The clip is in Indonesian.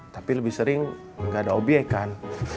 tapi lebih sering nggak ada obyek kan